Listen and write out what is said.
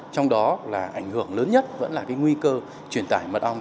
trong đó là ảnh hưởng lớn nhất vẫn là cái nguy cơ truyền tải mật ong